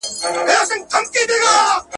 د غمازانو مخ به تور وو اوس به وي او کنه.